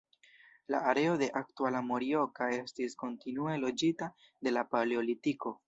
La areo de aktuala Morioka estis kontinue loĝita de la paleolitiko.